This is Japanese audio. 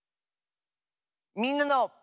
「みんなの」。